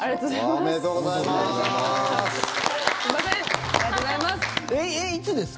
おめでとうございます。